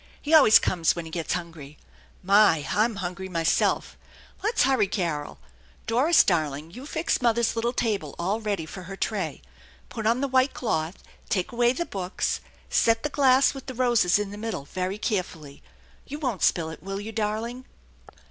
He always comes when he gets hungry. My! I'm hungry myself ! Let's hurry, Carol. Doris, darling, you fix mother's little table all ready for her tray. Put on the white cloth, take away the books, set the glass with the roses in the middle very carefully. You won't spill it, will you, darling